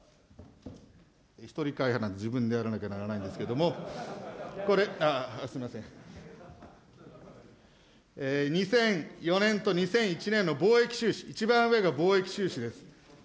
１人会派なんで、自分でやらなきゃならないんですけれども、これ、２００４年と２００１年の貿易収支、一番上が貿易収支です。